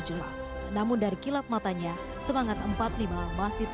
jadi ini yang kelemah